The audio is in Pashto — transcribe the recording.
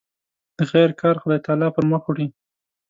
د خیر کار خدای تعالی پر مخ وړي.